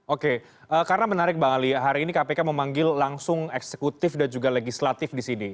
oke karena menarik bang ali hari ini kpk memanggil langsung eksekutif dan juga legislatif di sini